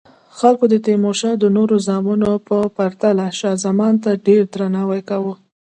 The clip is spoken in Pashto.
خلکو د تیمورشاه د نورو زامنو په پرتله شاه زمان ته ډیر درناوی کاوه.